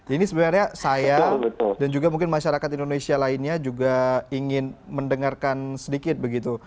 ini sebenarnya saya dan juga mungkin masyarakat indonesia lainnya juga ingin mendengarkan sedikit begitu